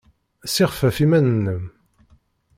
Ssixfef iman-nnem!